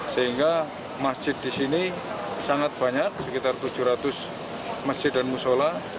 sehingga masjid di sini sangat banyak sekitar tujuh ratus masjid dan musola